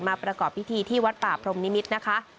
ประกอบพิธีที่วัดป่าพรมนิมิตรนะคะ